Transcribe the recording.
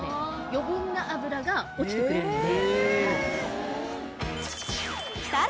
余分な油が落ちてくれるので。